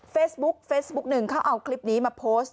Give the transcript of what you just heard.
เฟซบุ๊ก๑เค้าเอาคลิปนี้มาโพสต์